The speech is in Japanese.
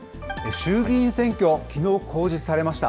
衆議院選挙、きのう公示されました。